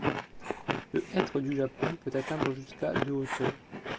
Le hêtre du Japon peut atteindre jusqu’à de hauteur.